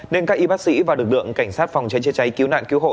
nên các y bác sĩ và lực lượng cảnh sát phòng cháy chữa cháy cứu nạn cứu hộ